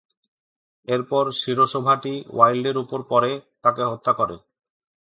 এরপর শিরোশোভাটি ওয়াইল্ডের উপর পড়ে, তাকে হত্যা করে।